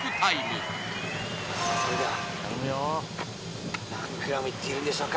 それでは何ｇいっているんでしょうか？